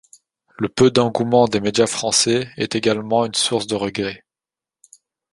Le peu d'engouement des médias français est également une source de regrets.